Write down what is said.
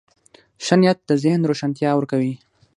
ښه نیت د ذهن روښانتیا ورکوي.